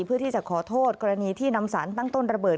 เพื่อที่จะขอโทษกรณีที่นำสารตั้งต้นระเบิด